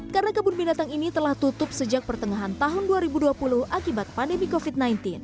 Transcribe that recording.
karena kebun binatang ini telah tutup sejak pertengahan tahun dua ribu dua puluh akibat pandemi covid sembilan belas